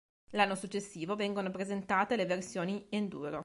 L'anno successivo vengono presentate le versioni enduro.